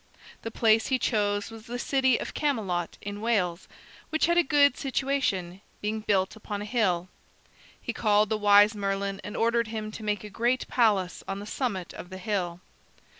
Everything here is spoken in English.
The place he chose was the city of Camelot in Wales, which had a good situation, being built upon a hill. He called the wise Merlin and ordered him to make a great palace on the summit of the hill.